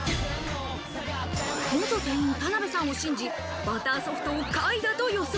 元店員・田辺さんを信じ、バターソフトを下位だと予想。